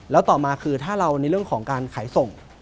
แล้วต่อมาคือถ้าเราในเรื่องของการขายส่ง